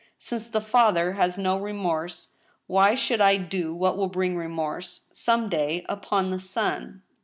Since the father has no remorse, why should I do what will bring remorse, some day, upon the son